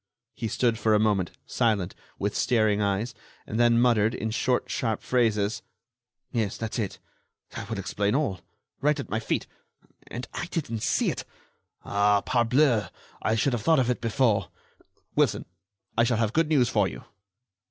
He stood for a moment, silent, with staring eyes, and then muttered, in short, sharp phrases: "Yes, that's it ... that will explain all ... right at my feet ... and I didn't see it ... ah, parbleu! I should have thought of it before.... Wilson, I shall have good news for you."